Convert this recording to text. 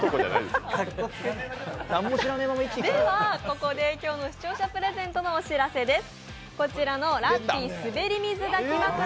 ではここで今日の視聴者プレゼントのお知らせです。